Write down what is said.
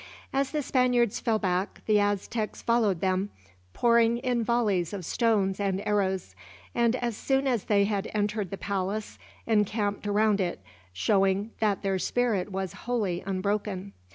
As the Spaniards fell back the Aztecs followed them, pouring in volleys of stones and arrows; and as soon as they had entered the palace encamped around it, showing that their spirit was wholly unbroken.